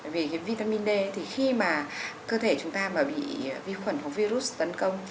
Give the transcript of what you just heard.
vì cái vitamin d thì khi mà cơ thể chúng ta mà bị vi khuẩn của virus tấn công